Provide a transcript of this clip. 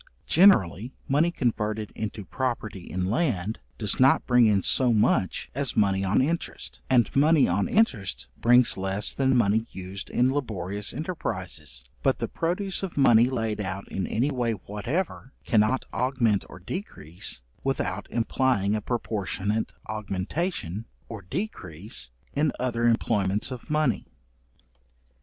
Generally, money converted into property in land, does not bring in so much as money on interest; and money on interest brings less than money used in laborious enterprises: but the produce of money laid out in any way whatever, cannot augment or decrease without implying a proportionate augmentation, or decrease in other employments of money.